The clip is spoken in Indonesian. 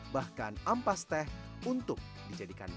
bahkan ampas teh untuk dijadikan